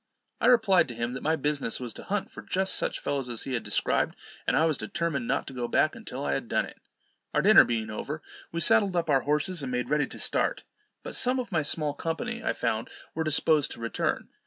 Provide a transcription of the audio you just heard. I replied to him, that my business was to hunt for just such fellows as he had described, and I was determined not to go back until I had done it. Our dinner being over, we saddled up our horses, and made ready to start. But some of my small company I found were disposed to return.